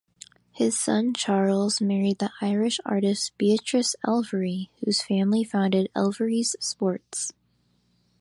His son Charles married the Irish artist Beatrice Elvery, whose family founded Elverys Sports.